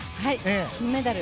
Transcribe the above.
金メダル。